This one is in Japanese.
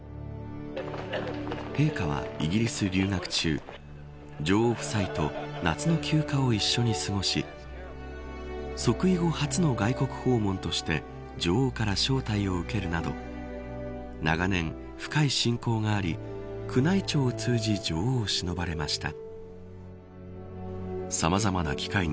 陛下はイギリス留学中女王夫妻と夏の休暇を一緒に過ごし即位後、初の外国訪問として女王から招待を受けるなど長年、深い親交があり宮内庁を通じ女王をしのばれました。